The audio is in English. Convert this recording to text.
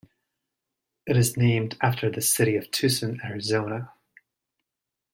It is named after the city of Tucson, Arizona.